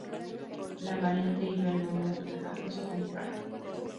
La variante hiberno-nórdica es Gofraid.